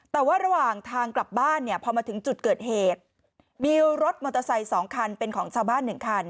แต่ว่าระหว่างทางกลับบ้านเนี่ยพอมาถึงจุดเกิดเหตุมีรถมอเตอร์ไซค์๒คันเป็นของชาวบ้าน๑คัน